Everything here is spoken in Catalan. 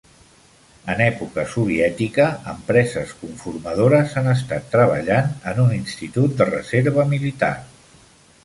En època soviètica, empreses conformadores han estat treballant en un institut de reserva militar.